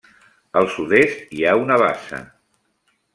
Al sud-est hi ha una bassa.